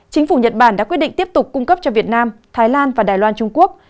chính phủ nhật bản đã quyết định tiếp tục cung cấp cho việt nam thái lan và đài loan trung quốc